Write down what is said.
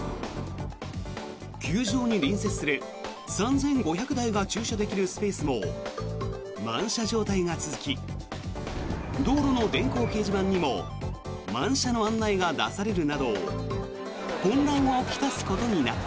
球場に隣接する３５００台が駐車できるスペースも満車状態が続き道路の電光掲示板にも満車の案内が出されるなど混乱を来すことになった。